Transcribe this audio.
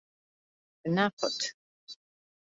ვნახოთ.